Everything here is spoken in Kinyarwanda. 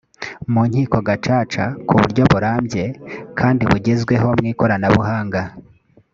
mu nkiko gacaca ku buryo burambye kandi bugezweho mu ikoranabuhanga